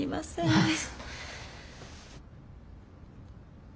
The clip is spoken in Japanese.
はい。